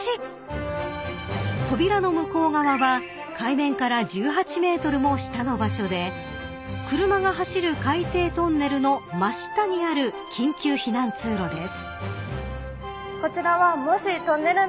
［扉の向こう側は海面から１８ｍも下の場所で車が走る海底トンネルの真下にある緊急避難通路です］